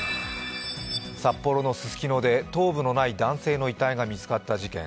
札幌のススキノで頭部のない男性の遺体が見つかった事件。